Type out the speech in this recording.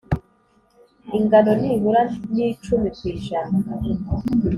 ingano nibura n icumi ku ijana